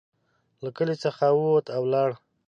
له کلي څخه ووت او ولاړ.